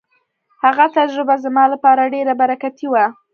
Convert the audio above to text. هغه تجربه زما لپاره ډېره برکتي وه.